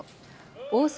大阪